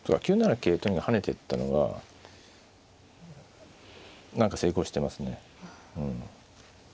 桂とにかく跳ねてったのが何か成功してますね。